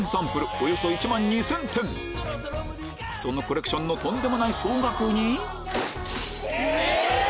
およそ１万２０００点そのコレクションのとんでもない総額にえ